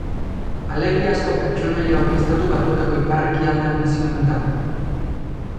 Alegiazko pertsonaia hori Estatu Batuetako ipar-ekialdean bizi omen da.